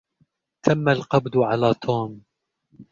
تم القبض على توم.